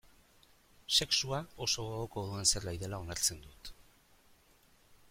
Sexua oso gogoko dudan zerbait dela onartzen dut.